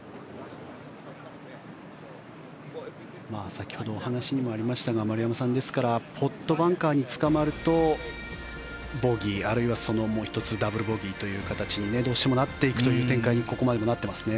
先ほど、お話にもありましたが丸山さん、ですからポットバンカーにつかまるとボギー、あるいはもう１つダブルボギーという形にどうしてもなっていくという展開にここまでもなっていますね。